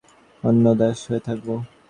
কতদিন আর মানুষের বাড়িতে অন্নদাস হয়ে থাকব?